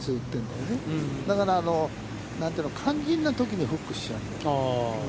だから、だから、肝心なときにフックしちゃう。